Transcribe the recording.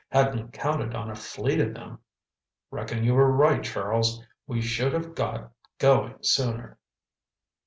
Hadn't counted on a fleet of them! Reckon you were right, Charles. We should have got going sooner."